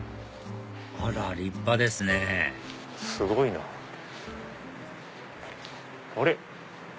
あら立派ですねすごいな。あれ？